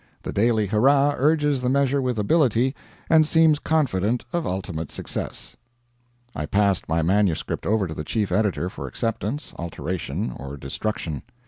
The Daily Hurrah urges the measure with ability, and seems confident of ultimate success. I passed my manuscript over to the chief editor for acceptance, alteration, or destruction.